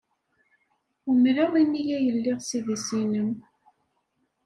Umreɣ imi ay lliɣ s idis-nnem.